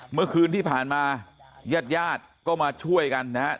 เมื่อคืนที่ผ่านมาญาติญาติก็มาช่วยกันนะฮะ